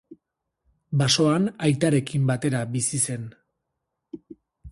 Basoan aitarekin batera bizi zen.